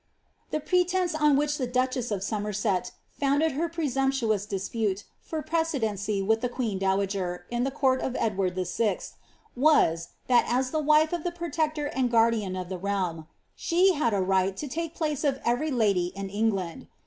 The pretence on which the duchess of Somerset founded her pie sumptuous dispute for precedency with the queen dowager, in the court of Edward VI., was, that as the wife of the protector and guardian of the realm, she had a right to take place of every lady in England.